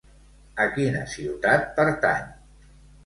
A quina ciutat pertany?